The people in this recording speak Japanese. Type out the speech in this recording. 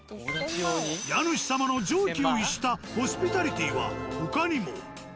家主様の常軌を逸したホスピタリティーは他にも。